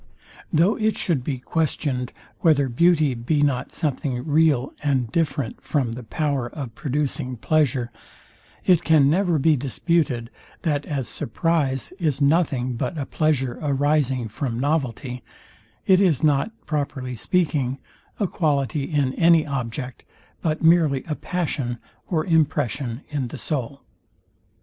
Though it should be questioned, whether beauty be not something real, and different from the power of producing pleasure, it can never be disputed, that as surprize is nothing but a pleasure arising from novelty, it is not, properly speaking, a quality in any object, but merely a passion or impression in the soul.